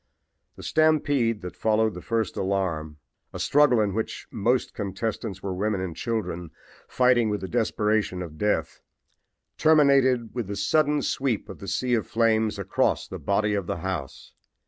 "The stampede that followed the first alarm, a struggle in which most contestants were women and children, fighting with the desperation of death, terminated with the sudden sweep of the sea of flames across the body of the house.